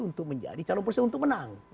untuk menjadi calon presiden untuk menang